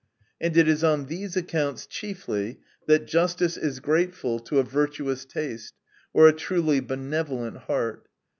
And it is on these accoints chiefly, that justice is grateful to a virtuous taste, or a truly benevolent heait.